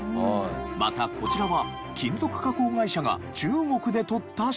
またこちらは金属加工会社が中国で撮った写真。